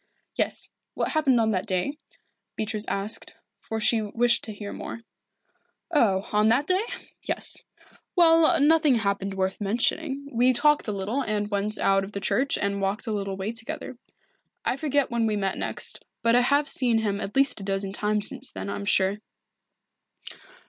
"Yes what happened on that day?" Beatrice asked, for she wished to hear more. "Oh, on that day? Yes. Well, nothing happened worth mentioning. We talked a little and went out of the church and walked a little way together. I forget when we met next, but I have seen him at least a dozen times since then, I am sure."